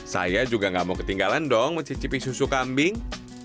saya juga gak mau ketinggalan dong mencicipi susu kambing